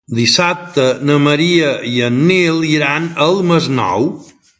Dissabte na Maria i en Nil iran al Masnou.